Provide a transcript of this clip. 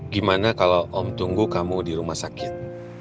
gimana kalau om tunggu kamu di rumah sakit